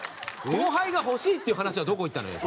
後輩が欲しいっていう話はどこいったのよ